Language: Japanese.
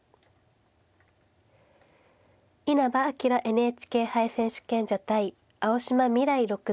稲葉陽ＮＨＫ杯選手権者対青嶋未来六段。